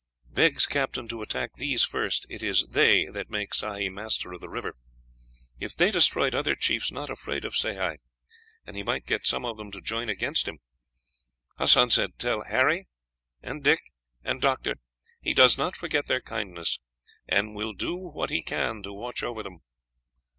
Begs Captain to attack these first; it is they that make Sehi master of the river. If they destroyed, other chiefs not afraid of Sehi, and he might get some of them to join against him. Hassan said tell Harry, and Dick, and Doctor he does not forget their kindness, and will do what he can to watch over them.